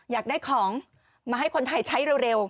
อยากได้ของมาให้คนไทยใช้เร็ว